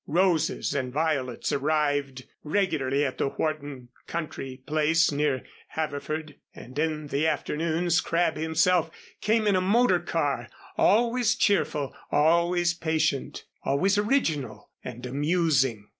Roses and violets arrived regularly at the Wharton country place near Haverford, and in the afternoons Crabb himself came in a motor car, always cheerful, always patient, always original and amusing.